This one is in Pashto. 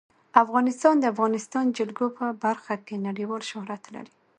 افغانستان د د افغانستان جلکو په برخه کې نړیوال شهرت لري.